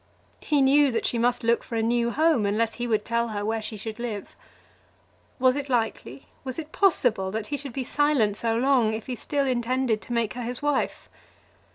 He knew that she must look for a new home, unless he would tell her where she should live. Was it likely, was it possible, that he should be silent so long if he still intended to make her his wife?